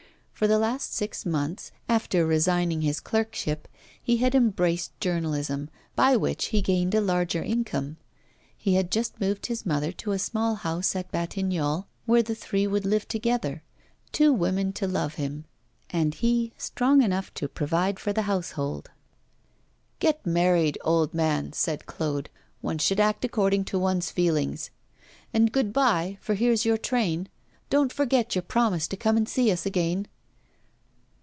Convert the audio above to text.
For the last six months, after resigning his clerkship, he had embraced journalism, by which he gained a larger income. He had just moved his mother to a small house at Batignolles, where the three would live together two women to love him, and he strong enough to provide for the household. 'Get married, old man,' said Claude. 'One should act according to one's feelings. And good bye, for here's your train. Don't forget your promise to come and see us again.